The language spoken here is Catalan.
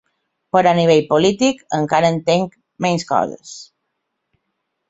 Però a nivell polític encara entenc menys coses.